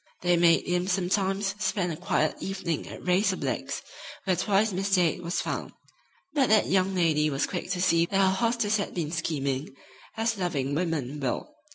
They made him sometimes spend a quiet evening at Ray's or Blake's, where twice Miss Dade was found. But that young lady was quick to see that her hostess had been scheming, as loving women will.